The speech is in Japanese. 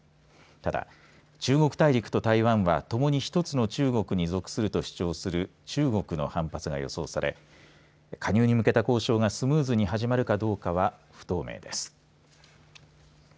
ただ中国大陸と台湾はともに一つの中国に属すると主張する中国の反発が予想され加入に向けた交渉がスムーズに始まるかどうかは不透明です。